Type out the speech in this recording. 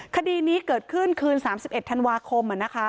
คดีนี้เกิดขึ้นคืน๓๑ธันวาคม